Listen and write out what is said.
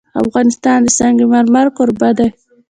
افغانستان د سنگ مرمر کوربه دی.